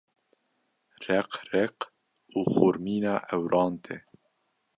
req req û xurmîna ewran tê.